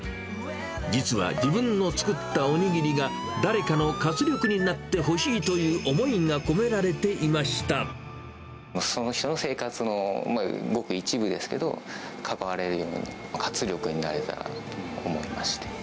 実は自分の作ったおにぎりが、誰かの活力になってほしいというその人の生活のごく一部ですけれども、関われるように、活力になれたらと思いまして。